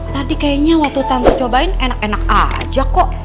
tadi kayaknya waktu tante cobain enak enak aja kok